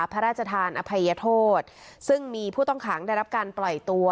พระราชทานอภัยโทษซึ่งมีผู้ต้องขังได้รับการปล่อยตัว